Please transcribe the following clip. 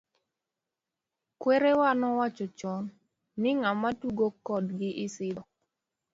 Kwerawa nowacho chon , ni ng'ama tugo kor gi isidho.